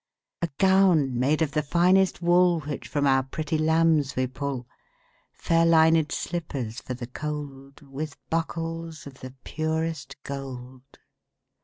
A gown made of the finest wool Which from our pretty lambs we pull; Fair linèd slippers for the cold, 15 With buckles of the purest gold.